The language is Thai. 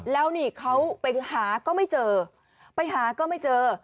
แล้วนี่เขาไปหาก็ไม่เจอ